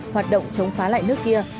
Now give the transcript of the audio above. hoạt động chống phá lại nước kia